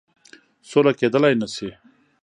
سوله کېدلای نه سي.